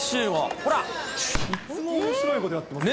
いつもおもしろいことやってますね。